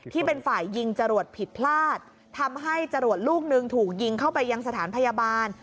ที่เป็นฝ่ายยิงจรวดผิดพลาดทำให้จรวดลูกหนึ่งถูกยิงเข้าไปยังสถานพยาบาล